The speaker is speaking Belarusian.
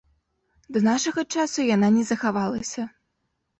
Да нашага часу яна не захавалася.